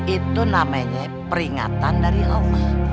itu namanya peringatan dari allah